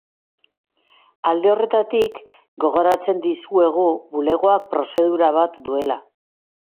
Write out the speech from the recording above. Alde horretatik, gogorarazten dizuegu bulegoak prozedura bat duela.